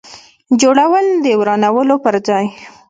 جوړول د ورانولو پر ځای.